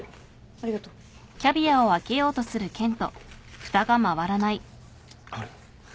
ありがとう。あれ？